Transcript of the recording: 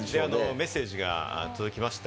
メッセージが届きました。